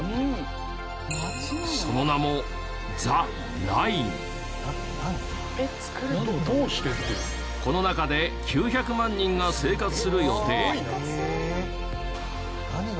その名もこの中で９００万人が生活する予定。